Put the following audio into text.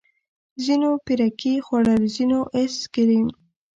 ځينو پيركي خوړل ځينو ايس کريم.